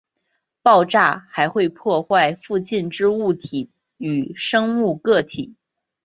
爆炸还会破坏附近之物体与生物个体。